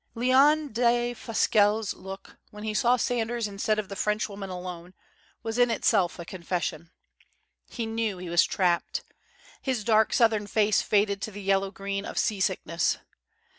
Leon Defasquelle's look, when he saw Sanders instead of the Frenchwoman alone, was in itself a confession. He knew he was trapped. His dark, southern face faded to the yellow green of seasickness.